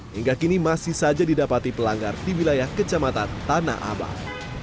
hingga kini masih saja didapati pelanggar di wilayah kecamatan tanah abang